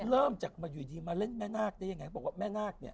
เริ่มจากมาอยู่ดีมาเล่นแม่นาคได้ยังไงเขาบอกว่าแม่นาคเนี่ย